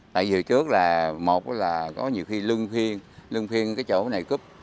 tại vì trước là một là có nhiều khi lưng phiên lưng phiên cái chỗ này cướp